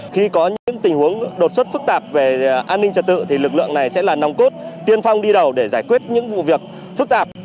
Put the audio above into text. khi có những tình huống đột xuất phức tạp về an ninh trật tự thì lực lượng này sẽ là nòng cốt tiên phong đi đầu để giải quyết những vụ việc phức tạp